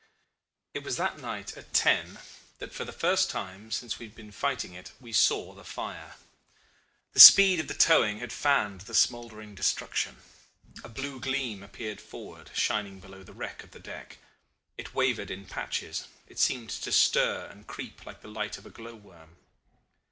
"It was that night at ten that, for the first time since we had been fighting it, we saw the fire. The speed of the towing had fanned the smoldering destruction. A blue gleam appeared forward, shining below the wreck of the deck. It wavered in patches, it seemed to stir and creep like the light of a glowworm.